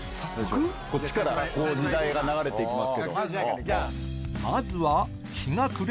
こっちから時代が流れていきます。